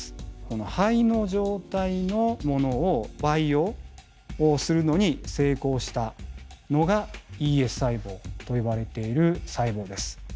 この胚の状態のものを培養するのに成功したのがＥＳ細胞と呼ばれている細胞です。